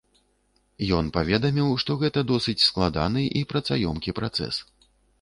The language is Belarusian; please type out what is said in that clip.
Ён паведаміў, што гэта досыць складаны і працаёмкі працэс.